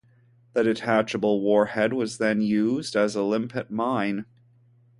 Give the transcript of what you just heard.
The detachable warhead was then used as a limpet mine.